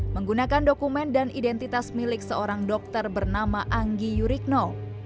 menggunakan dokumen dan identitas milik seorang dokter bernama anggi yurikno